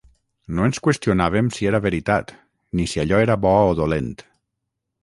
no ens qüestionàvem si era veritat ni si allò era bo o dolent